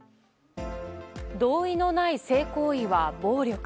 同意のない性行為は暴力。